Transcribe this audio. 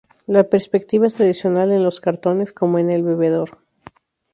La perspectiva es tradicional en los cartones, como en "El bebedor".